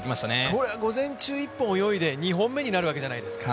午前中１本泳いで２本目になるわけじゃないですか。